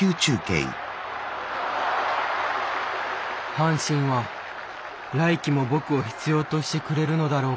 阪神は来季も僕を必要としてくれるのだろうか？